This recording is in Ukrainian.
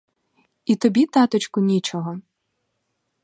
І тобі, таточку, нічого?